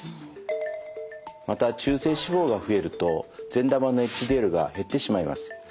また中性脂肪が増えると善玉のＨＤＬが減ってしまいます。